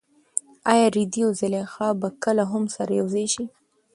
ایا رېدی او زلیخا به کله هم سره یوځای شي؟